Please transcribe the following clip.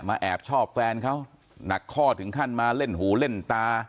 แอบชอบแฟนเขาหนักข้อถึงขั้นมาเล่นหูเล่นตา